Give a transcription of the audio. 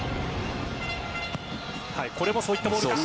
これもそういったボールか。